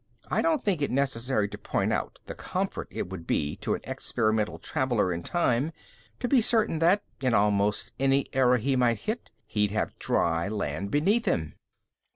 I don't think it necessary to point out the comfort it would be to an experimental traveler in time to be certain that, in almost any era he might hit, he'd have dry land beneath him."